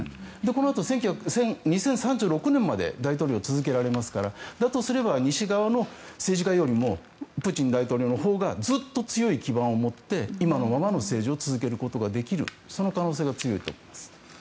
このあと２０３６年まで大統領を続けられますからだとすれば西側の政治家よりもプーチン大統領のほうがずっと強い基盤を持って今のままの政治を続けることができるその可能性が強いと思います。